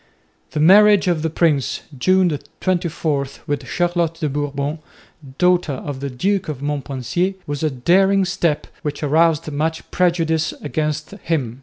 The marriage of the prince (June 24) with Charlotte de Bourbon, daughter of the Duke of Montpensier, was a daring step which aroused much prejudice against him.